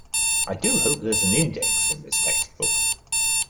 I do hope there's an index in this textbook.